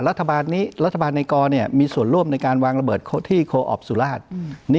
รัฐบาลในกมีส่วนร่วมในการวางระเบิดที่โคออกสุราช